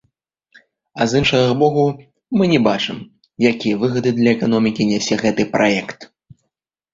А з іншага боку, мы не бачым, якія выгады для эканомікі нясе гэты праект.